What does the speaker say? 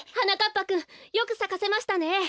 ぱくんよくさかせましたね。